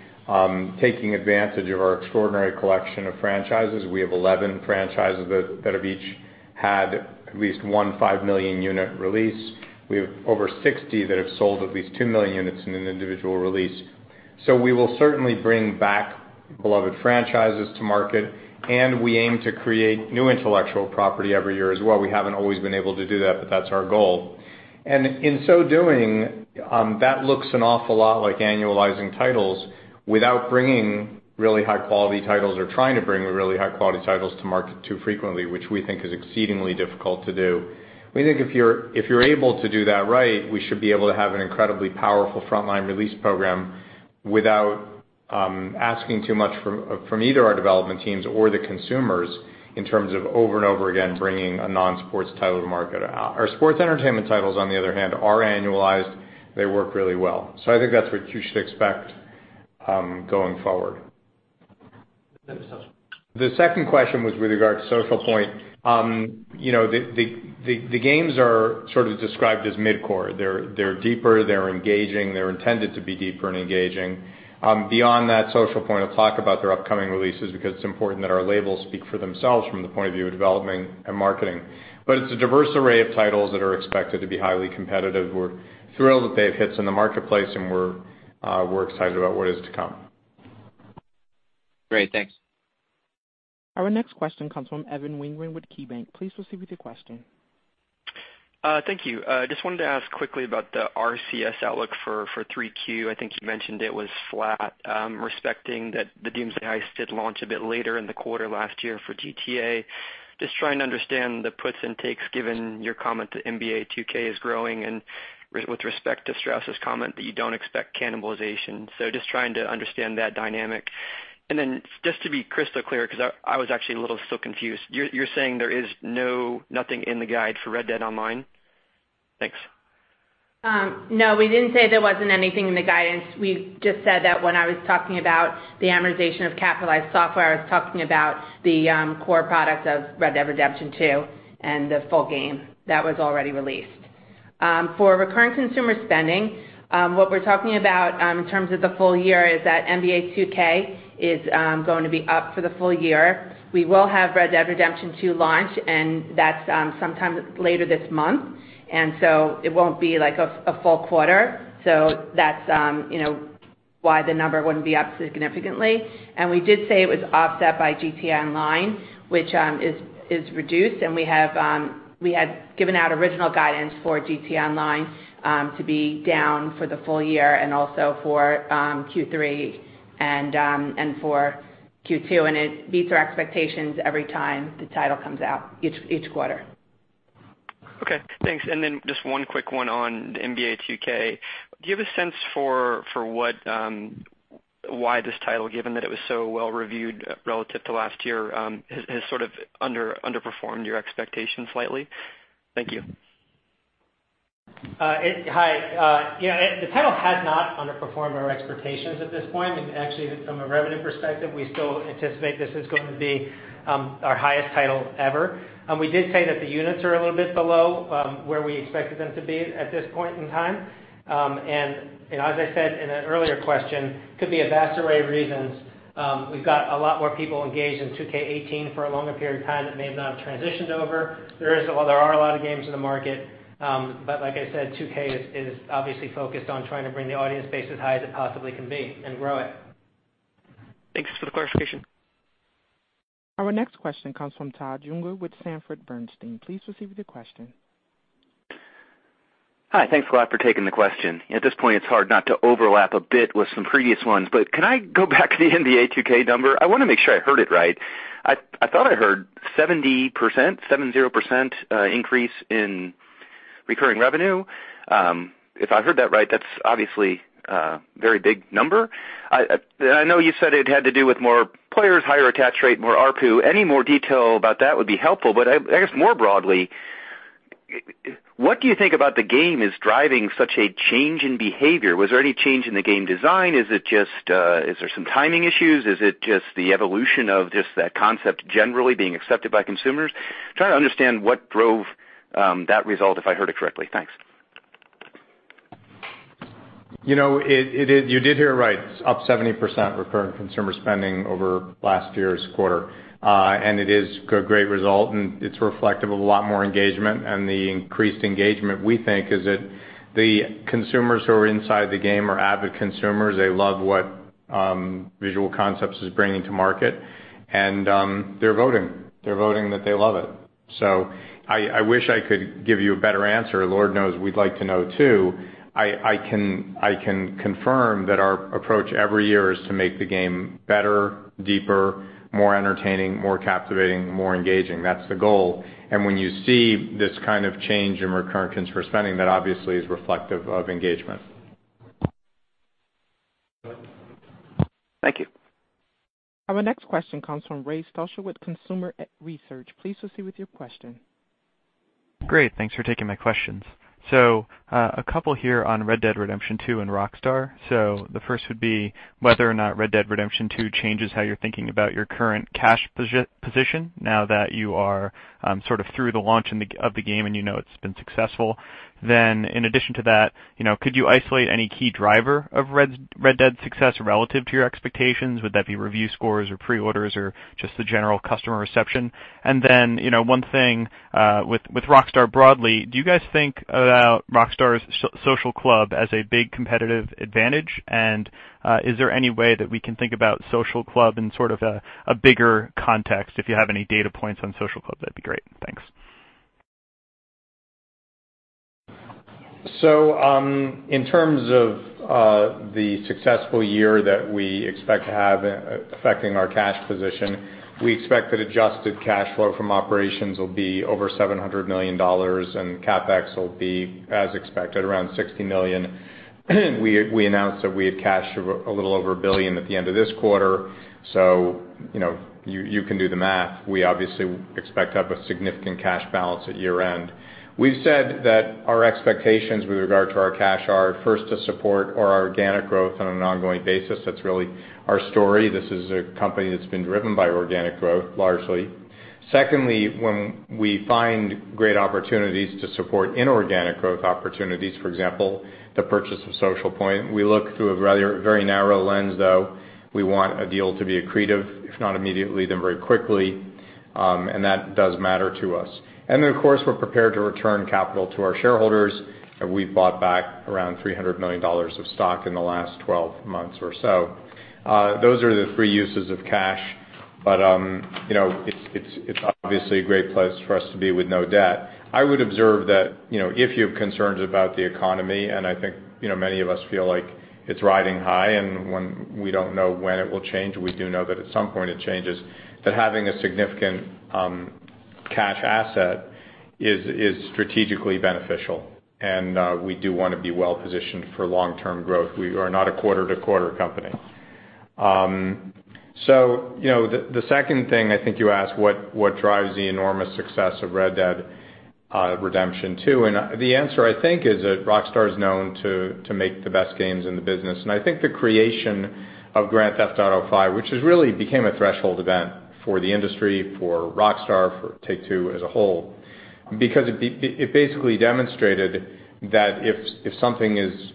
taking advantage of our extraordinary collection of franchises. We have 11 franchises that have each had at least one five million unit release. We have over 60 that have sold at least two million units in an individual release. So we will certainly bring back beloved franchises to market, and we aim to create new intellectual property every year as well. We haven't always been able to do that, but that's our goal. In so doing, that looks an awful lot like annualizing titles without bringing really high-quality titles or trying to bring really high-quality titles to market too frequently, which we think is exceedingly difficult to do. We think if you're able to do that right, we should be able to have an incredibly powerful frontline release program without asking too much from either our development teams or the consumers in terms of over and over again bringing a non-sports title to market. Our sports entertainment titles, on the other hand, are annualized. They work really well. I think that's what you should expect going forward. The Social Point? The second question was with regard to Social Point. The games are sort of described as mid-core. They're deeper, they're engaging. They're intended to be deeper and engaging. Beyond that, Social Point, I'll talk about their upcoming releases because it's important that our labels speak for themselves from the point of view of development and marketing. It's a diverse array of titles that are expected to be highly competitive. We're thrilled that they have hits in the marketplace, and we're excited about what is to come. Great. Thanks. Our next question comes from Evan Wingren with KeyBank. Please proceed with your question. Thank you. Just wanted to ask quickly about the RCS outlook for 3Q. I think you mentioned it was flat. Respecting that "The Doomsday Heist" did launch a bit later in the quarter last year for GTA. Just trying to understand the puts and takes given your comment that NBA 2K is growing and with respect to Strauss's comment that you don't expect cannibalization. Just trying to understand that dynamic. Just to be crystal clear, because I was actually a little still confused. You're saying there is nothing in the guide for "Red Dead Online?" Thanks. No, we didn't say there wasn't anything in the guidance. We just said that when I was talking about the amortization of capitalized software, I was talking about the core product of "Red Dead Redemption 2" and the full game that was already released. For recurring consumer spending, what we're talking about in terms of the full year is that NBA 2K is going to be up for the full year. We will have "Red Dead Redemption 2" launch, and that's sometime later this month, it won't be like a full quarter. That's why the number wouldn't be up significantly. We did say it was offset by GTA Online, which is reduced. We had given out original guidance for GTA Online, to be down for the full year and also for Q3 and for Q2, and it beats our expectations every time the title comes out each quarter. Okay, thanks. Just one quick one on NBA 2K. Do you have a sense for why this title, given that it was so well reviewed relative to last year, has sort of underperformed your expectations slightly? Thank you. Hi. The title has not underperformed our expectations at this point. Actually, from a revenue perspective, we still anticipate this is going to be our highest title ever. We did say that the units are a little bit below where we expected them to be at this point in time. As I said in an earlier question, it could be a vast array of reasons. We've got a lot more people engaged in NBA 2K18 for a longer period of time that may have not transitioned over. There are a lot of games in the market. Like I said, 2K is obviously focused on trying to bring the audience base as high as it possibly can be and grow it. Thanks for the clarification. Our next question comes from Todd Juenger with Sanford C. Bernstein. Please proceed with your question. Hi. Thanks a lot for taking the question. At this point, it's hard not to overlap a bit with some previous ones, can I go back to the NBA 2K number? I want to make sure I heard it right. I thought I heard 70%, 70%, increase in recurring revenue. If I heard that right, that's obviously a very big number. I know you said it had to do with more players, higher attach rate, more ARPU. Any more detail about that would be helpful. I guess more broadly, what do you think about the game is driving such a change in behavior? Was there any change in the game design? Is there some timing issues? Is it just the evolution of just that concept generally being accepted by consumers? Trying to understand what drove that result, if I heard it correctly. Thanks. You did hear it right. It's up 70% recurring consumer spending over last year's quarter. It is a great result, and it's reflective of a lot more engagement. The increased engagement, we think is that the consumers who are inside the game are avid consumers. They love what Visual Concepts is bringing to market, and they're voting. They're voting that they love it. I wish I could give you a better answer. Lord knows we'd like to know, too. I can confirm that our approach every year is to make the game better, deeper, more entertaining, more captivating, more engaging. That's the goal. When you see this kind of change in recurrent consumer spending, that obviously is reflective of engagement. Thank you. Our next question comes from Ray Stochel with Consumer Edge Research. Please proceed with your question. Great. Thanks for taking my questions. A couple here on Red Dead Redemption 2 and Rockstar. The first would be whether or not Red Dead Redemption 2 changes how you're thinking about your current cash position now that you are sort of through the launch of the game and you know it's been successful. In addition to that, could you isolate any key driver of Red Dead's success relative to your expectations? Would that be review scores or pre-orders or just the general customer reception? Then one thing with Rockstar broadly, do you guys think about Rockstar's Social Club as a big competitive advantage? Is there any way that we can think about Social Club in sort of a bigger context? If you have any data points on Social Club, that'd be great. Thanks. In terms of the successful year that we expect to have affecting our cash position, we expect that adjusted cash flow from operations will be over $700 million, and CapEx will be as expected, around $60 million. We announced that we had cash of a little over $1 billion at the end of this quarter. You can do the math. We obviously expect to have a significant cash balance at year-end. We've said that our expectations with regard to our cash are first to support our organic growth on an ongoing basis. That's really our story. This is a company that's been driven by organic growth, largely. Secondly, when we find great opportunities to support inorganic growth opportunities, for example, the purchase of Social Point, we look through a very narrow lens, though. We want a deal to be accretive, if not immediately, then very quickly. That does matter to us. Then, of course, we're prepared to return capital to our shareholders, and we've bought back around $300 million of stock in the last 12 months or so. Those are the three uses of cash. It's obviously a great place for us to be with no debt. I would observe that if you have concerns about the economy, and I think many of us feel like it's riding high, and when we don't know when it will change, we do know that at some point it changes, that having a significant cash asset is strategically beneficial. We do want to be well-positioned for long-term growth. We are not a quarter-to-quarter company. The second thing I think you asked, what drives the enormous success of Red Dead Redemption 2. The answer, I think, is that Rockstar is known to make the best games in the business. I think the creation of Grand Theft Auto V, which has really became a threshold event for the industry, for Rockstar, for Take-Two as a whole, because it basically demonstrated that if something is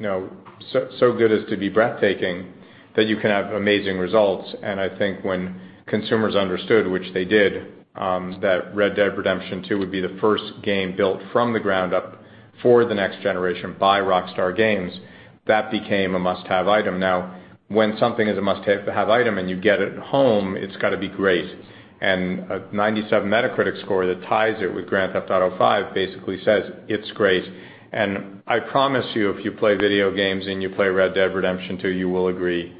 so good as to be breathtaking, that you can have amazing results. I think when consumers understood, which they did, that Red Dead Redemption 2 would be the first game built from the ground up for the next generation by Rockstar Games, that became a must-have item. When something is a must-have item and you get it home, it's got to be great. A 97 Metacritic score that ties it with Grand Theft Auto V basically says it's great. I promise you, if you play video games and you play Red Dead Redemption 2, you will agree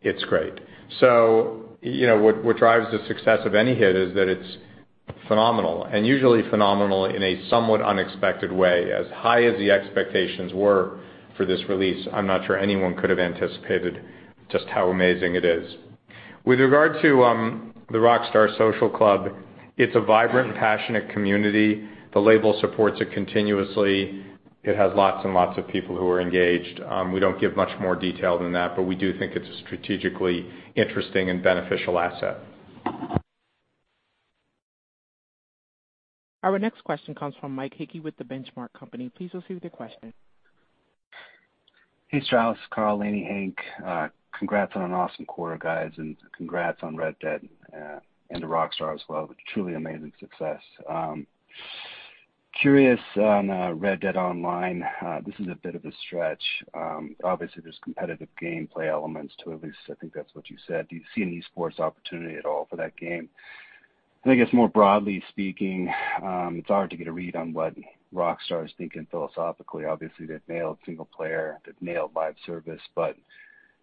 it's great. What drives the success of any hit is that it's phenomenal and usually phenomenal in a somewhat unexpected way. As high as the expectations were for this release, I'm not sure anyone could have anticipated just how amazing it is. With regard to the Rockstar Social Club, it's a vibrant, passionate community. The label supports it continuously. It has lots and lots of people who are engaged. We don't give much more detail than that, but we do think it's a strategically interesting and beneficial asset. Our next question comes from Mike Hickey with The Benchmark Company. Please proceed with your question. Hey, Strauss, Karl, Lainie, Henry. Congrats on an awesome quarter, guys, and congrats on Red Dead and to Rockstar as well. Truly amazing success. Curious on Red Dead Online, this is a bit of a stretch. Obviously, there's competitive gameplay elements to it, at least I think that's what you said. Do you see any esports opportunity at all for that game? I think it's more broadly speaking, it's hard to get a read on what Rockstar is thinking philosophically. Obviously, they've nailed single player, they've nailed live service.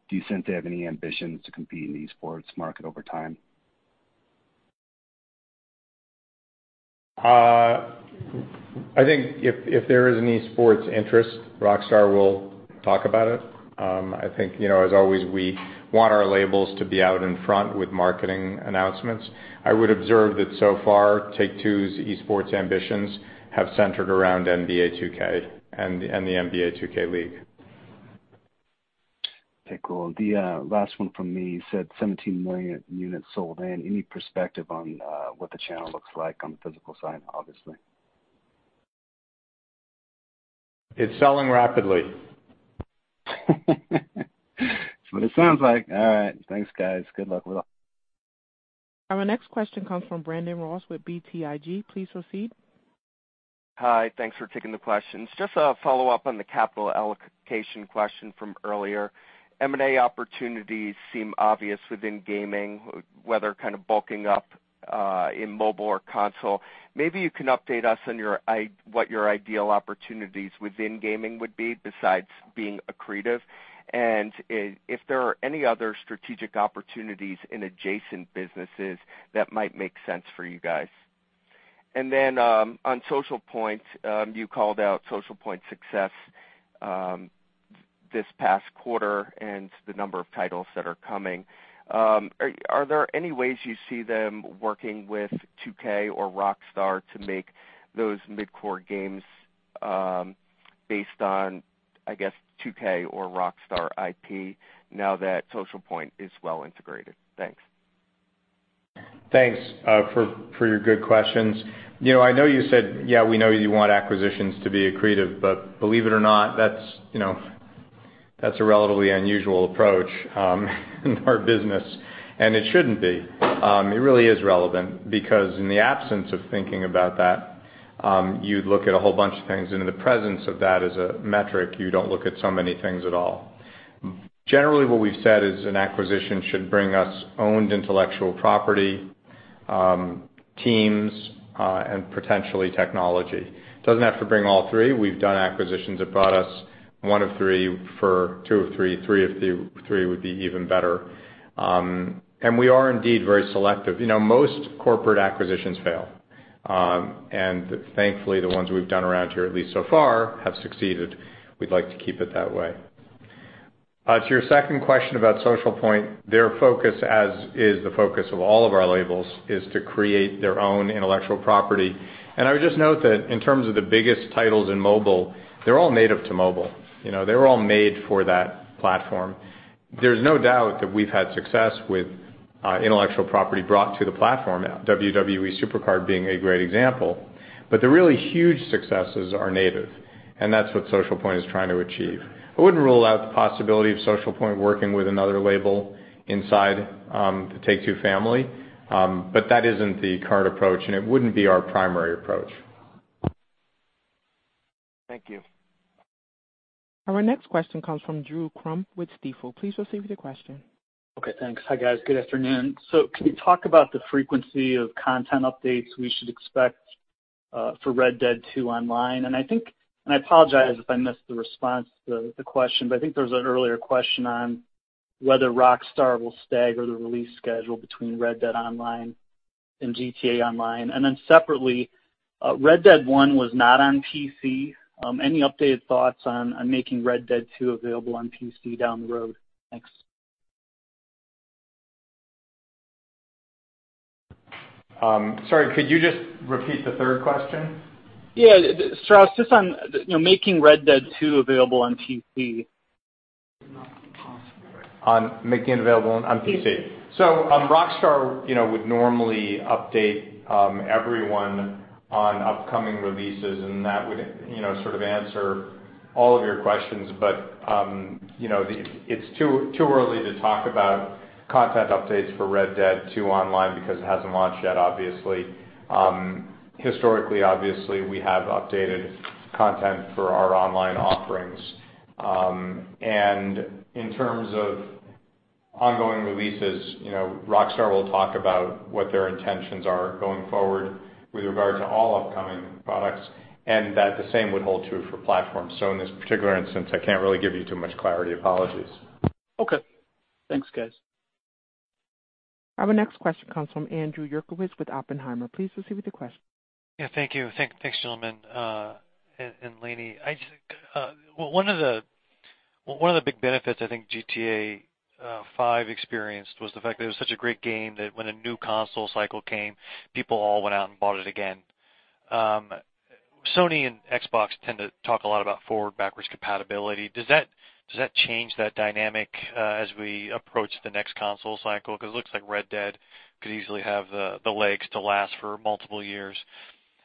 Do you sense they have any ambitions to compete in the esports market over time? I think if there is any esports interest, Rockstar will talk about it. I think as always, we want our labels to be out in front with marketing announcements. I would observe that so far, Take-Two's esports ambitions have centered around NBA 2K and the NBA 2K League. Okay, cool. The last one from me. You said 17 million units sold. Any perspective on what the channel looks like on the physical side, obviously? It's selling rapidly. That's what it sounds like. All right. Thanks, guys. Good luck with all. Our next question comes from Brandon Ross with BTIG. Please proceed. Hi. Thanks for taking the questions. Just a follow-up on the capital allocation question from earlier. M&A opportunities seem obvious within gaming, whether bulking up in mobile or console. Maybe you can update us on what your ideal opportunities within gaming would be besides being accretive and if there are any other strategic opportunities in adjacent businesses that might make sense for you guys. On Social Point, you called out Social Point's success this past quarter and the number of titles that are coming. Are there any ways you see them working with 2K or Rockstar to make those mid-core games based on, I guess, 2K or Rockstar IP now that Social Point is well integrated? Thanks. Thanks for your good questions. I know you said, we know you want acquisitions to be accretive, believe it or not, that's a relatively unusual approach in our business, and it shouldn't be. It really is relevant because in the absence of thinking about that, you'd look at a whole bunch of things. In the presence of that as a metric, you don't look at so many things at all. Generally, what we've said is an acquisition should bring us owned intellectual property, teams and potentially technology. Doesn't have to bring all three. We've done acquisitions that brought us one of three for two of three of three would be even better. We are indeed very selective. Most corporate acquisitions fail. Thankfully, the ones we've done around here, at least so far, have succeeded. We'd like to keep it that way. To your second question about Social Point, their focus, as is the focus of all of our labels, is to create their own intellectual property. I would just note that in terms of the biggest titles in mobile, they're all native to mobile. They were all made for that platform. There's no doubt that we've had success with intellectual property brought to the platform, WWE SuperCard being a great example. The really huge successes are native, and that's what Social Point is trying to achieve. I wouldn't rule out the possibility of Social Point working with another label inside the Take-Two family, but that isn't the current approach, and it wouldn't be our primary approach. Thank you. Our next question comes from Drew Crum with Stifel. Please proceed with your question. Okay, thanks. Hi, guys. Good afternoon. Can you talk about the frequency of content updates we should expect for Red Dead 2 Online? I apologize if I missed the response to the question, but I think there was an earlier question on whether Rockstar will stagger the release schedule between Red Dead Online and GTA Online. Separately, Red Dead 1 was not on PC. Any updated thoughts on making Red Dead 2 available on PC down the road? Thanks. Sorry, could you just repeat the third question? Yeah. Strauss, just on making Red Dead 2 available on PC. On making it available on PC. Rockstar would normally update everyone on upcoming releases, that would sort of answer all of your questions. It's too early to talk about content updates for Red Dead 2 Online because it hasn't launched yet, obviously. Historically, obviously, we have updated content for our online offerings. In terms of ongoing releases, Rockstar will talk about what their intentions are going forward with regard to all upcoming products, that the same would hold true for platforms. In this particular instance, I can't really give you too much clarity. Apologies. Okay. Thanks, guys. Our next question comes from Andrew Uerkwitz with Oppenheimer. Please proceed with your question. Yeah, thank you. Thanks, gentlemen and Lainie. One of the big benefits I think GTA V experienced was the fact that it was such a great game that when a new console cycle came, people all went out and bought it again. Sony and Xbox tend to talk a lot about forward-backward compatibility. Does that change that dynamic as we approach the next console cycle? Because it looks like Red Dead could easily have the legs to last for multiple years.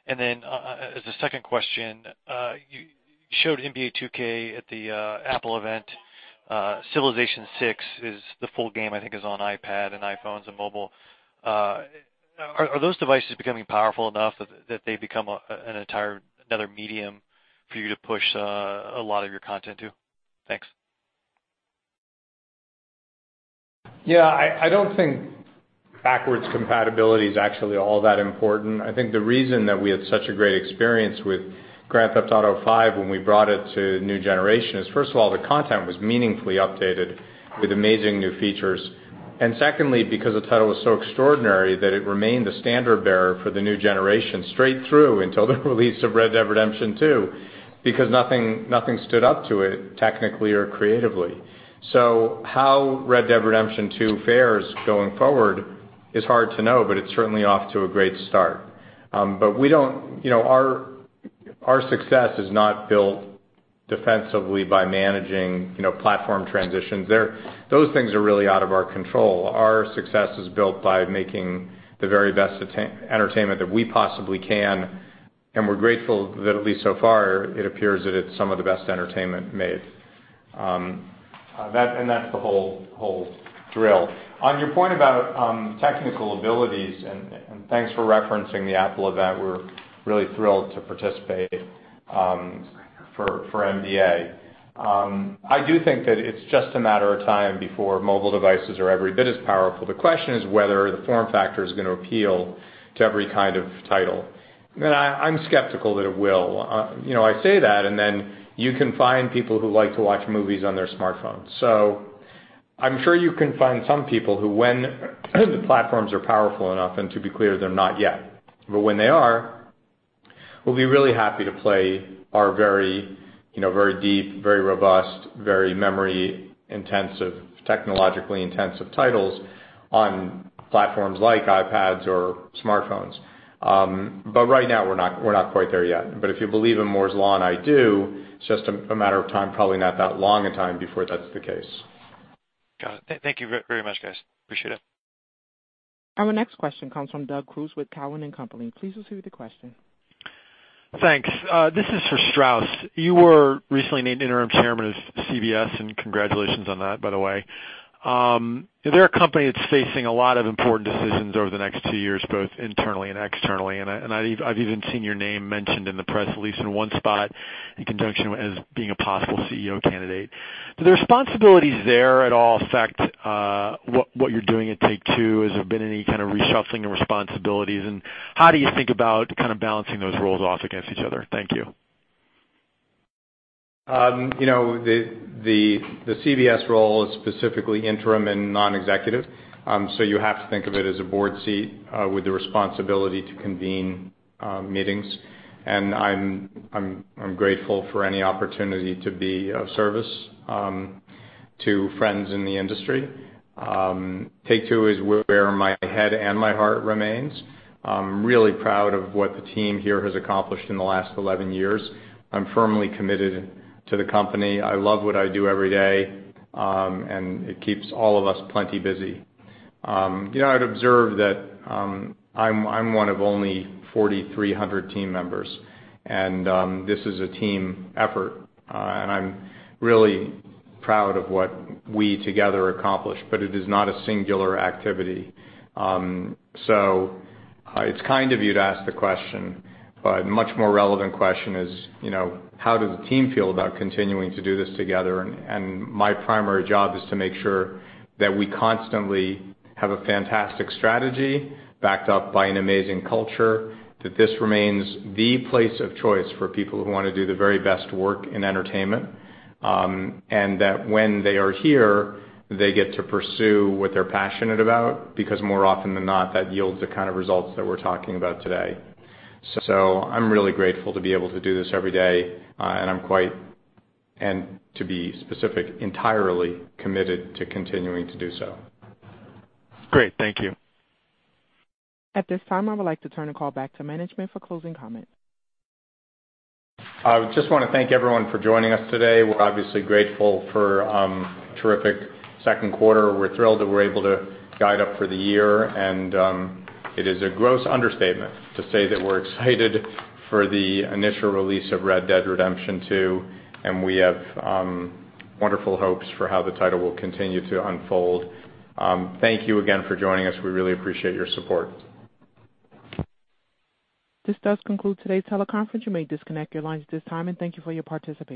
Then as a second question, you showed NBA 2K at the Apple event. Civilization VI, the full game, I think is on iPad and iPhones and mobile. Are those devices becoming powerful enough that they become another medium for you to push a lot of your content to? Thanks. Yeah, I don't think backward compatibility is actually all that important. I think the reason that we had such a great experience with Grand Theft Auto V when we brought it to new generation is, first of all, the content was meaningfully updated with amazing new features. Secondly, because the title was so extraordinary that it remained the standard-bearer for the new generation straight through until the release of Red Dead Redemption 2, because nothing stood up to it technically or creatively. How Red Dead Redemption 2 fares going forward is hard to know, but it's certainly off to a great start. Our success is not built defensively by managing platform transitions. Those things are really out of our control. Our success is built by making the very best entertainment that we possibly can, we're grateful that, at least so far, it appears that it's some of the best entertainment made. That's the whole drill. On your point about technical abilities, thanks for referencing the Apple event, we're really thrilled to participate for NBA. I do think that it's just a matter of time before mobile devices are every bit as powerful. The question is whether the form factor is going to appeal to every kind of title. I'm skeptical that it will. I say that, you can find people who like to watch movies on their smartphones. I'm sure you can find some people who, when the platforms are powerful enough, and to be clear, they're not yet. When they are, we'll be really happy to play our very deep, very robust, very memory-intensive, technologically intensive titles on platforms like iPads or smartphones. Right now, we're not quite there yet. If you believe in Moore's Law, and I do, it's just a matter of time, probably not that long a time before that's the case. Got it. Thank you very much, guys. Appreciate it. Our next question comes from Doug Creutz with Cowen and Company. Please proceed with the question. Thanks. This is for Strauss. You were recently named interim chairman of CBS, congratulations on that, by the way. They're a company that's facing a lot of important decisions over the next two years, both internally and externally. I've even seen your name mentioned in the press release in one spot in conjunction as being a possible CEO candidate. Do the responsibilities there at all affect what you're doing at Take-Two? Has there been any kind of reshuffling of responsibilities, how do you think about kind of balancing those roles off against each other? Thank you. The CBS role is specifically interim and non-executive. You have to think of it as a board seat with the responsibility to convene meetings. I'm grateful for any opportunity to be of service to friends in the industry. Take-Two is where my head and my heart remains. I'm really proud of what the team here has accomplished in the last 11 years. I'm firmly committed to the company. I love what I do every day. It keeps all of us plenty busy. I'd observe that I'm one of only 4,300 team members. This is a team effort. I'm really proud of what we together accomplish, it is not a singular activity. It's kind of you to ask the question, a much more relevant question is, how does the team feel about continuing to do this together? My primary job is to make sure that we constantly have a fantastic strategy backed up by an amazing culture, that this remains the place of choice for people who want to do the very best work in entertainment. That when they are here, they get to pursue what they're passionate about, because more often than not, that yields the kind of results that we're talking about today. I'm really grateful to be able to do this every day, I'm quite, to be specific, entirely committed to continuing to do so. Great. Thank you. At this time, I would like to turn the call back to management for closing comment. I just want to thank everyone for joining us today. We're obviously grateful for a terrific second quarter. We're thrilled that we're able to guide up for the year. It is a gross understatement to say that we're excited for the initial release of Red Dead Redemption 2, and we have wonderful hopes for how the title will continue to unfold. Thank you again for joining us. We really appreciate your support. This does conclude today's teleconference. You may disconnect your lines at this time, and thank you for your participation.